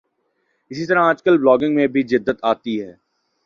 اسی طرح آج کل بلاگنگ میں بھی جدت آتی جا رہی ہے